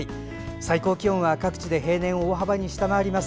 最高気温は各地で平年を大幅に下回ります。